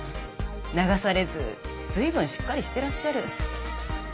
流されず随分しっかりしてらっしゃる。